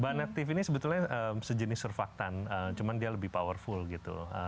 bahan aktif ini sebetulnya sejenis surfaktan cuman dia lebih powerful gitu